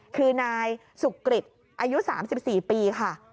คือนายสุกริจอายุ๓๔ปีค่ะ